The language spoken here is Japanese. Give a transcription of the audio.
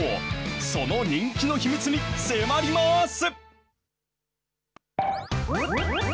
その人気の秘密に迫ります。